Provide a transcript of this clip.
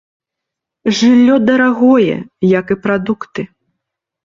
Жыллё дарагое, як і прадукты.